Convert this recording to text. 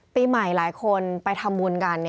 ปีใหม่หลายคนไปทำบุญกัน